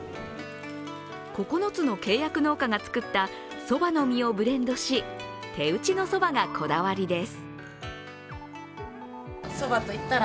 ９つの契約農家が作ったそばの実をブレンドし手打ちのそばがこだわりです。